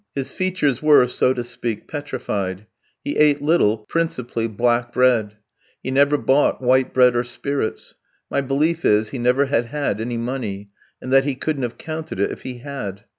His features were, so to speak, petrified; he ate little, principally black bread; he never bought white bread or spirits; my belief is, he never had had any money, and that he couldn't have counted it if he had.